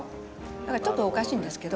だからちょっとおかしいんですけど。